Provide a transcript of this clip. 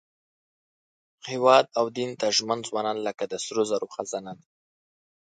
هېواد او دین ته ژمن ځوانان لکه د سرو زرو خزانه دي.